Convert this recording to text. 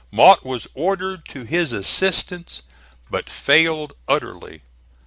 Mott was ordered to his assistance but failed utterly.